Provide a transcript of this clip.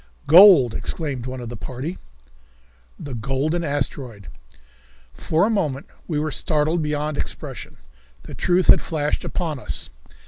"Gold," exclaimed one of the party. The Golden Asteroid! For a moment we were startled beyond expression. The truth had flashed upon us.